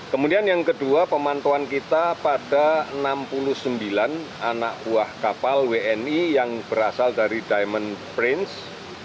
kemudian yang kedua pemantauan kita pada enam puluh sembilan anak buah kapal wni yang berasal dari diamond prince